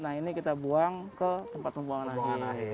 nah ini kita buang ke tempat pembuangan nasional